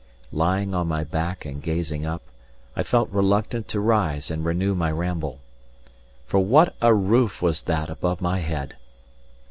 Lying on my back and gazing up, I felt reluctant to rise and renew my ramble. For what a roof was that above my head!